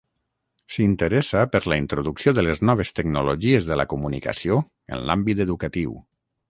S'interessa per la introducció de les noves tecnologies de la comunicació en l'àmbit educatiu.